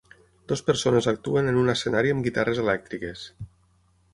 Dues persones actuen en un escenari amb guitarres elèctriques.